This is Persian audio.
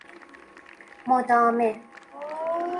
مدامه